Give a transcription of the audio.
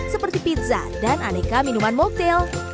seperti pizza dan aneka minuman model